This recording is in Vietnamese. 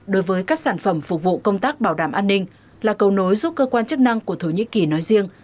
đối với các sản phẩm phục vụ công tác bảo đảm an ninh là cầu nối giúp cơ quan chức năng của thổ nhĩ kỳ nói riêng